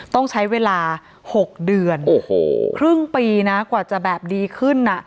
ต้องใช้เวลา๖เดือนโอ้โหครึ่งปีนะกว่าจะแบบดีขึ้น